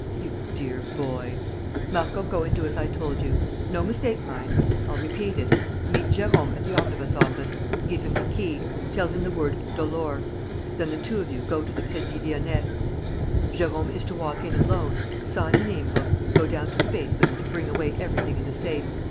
You dear boy! ... Marco, go and do as I told you. ... No mistake, mind! I'll repeat it: meet Jérôme at the omnibus office, give him the key, tell him the word: Dolor. Then, the two of you, go to the Crédit Lyonnais. Jérôme is to walk in alone, sign the name book, go down to the basement and bring away everything in the safe.